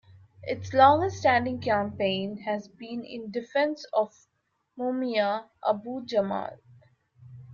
Its longest standing campaign has been in defense of Mumia Abu-Jamal.